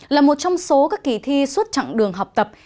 là một trong số các kỳ thi suốt chặng đường học tập